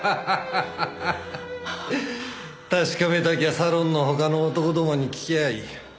確かめたきゃサロンの他の男どもに聞きゃあいい。